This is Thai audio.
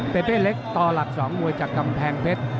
เปเป้เล็กต่อหลัก๒มวยจากกำแพงเพชร